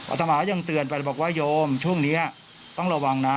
อาตมายังเตือนไปเลยบอกว่าโยมช่วงนี้ต้องระวังนะ